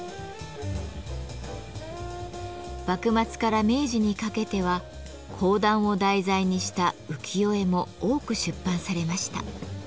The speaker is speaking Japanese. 幕末から明治にかけては講談を題材にした浮世絵も多く出版されました。